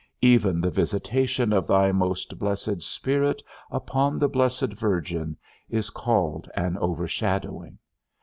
Even the visitation of thy most blessed Spirit upon the blessed Virgin, is called an overshadowing.